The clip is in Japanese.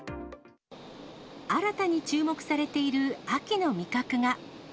新たに注目されている秋の味覚が。